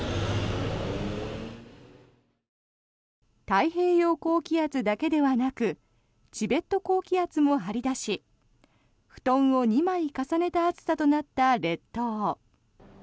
太平洋高気圧だけではなくチベット高気圧も張り出し布団を２枚重ねた暑さとなった列島。